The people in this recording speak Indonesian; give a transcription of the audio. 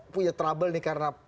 punya trouble nih karena